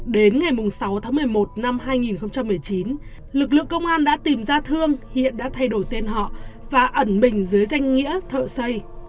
đến ngày sáu tháng một mươi một năm hai nghìn một mươi chín lực lượng công an đã tìm ra thương hiện đã thay đổi tên họ và ẩn mình dưới danh nghĩa thợ xây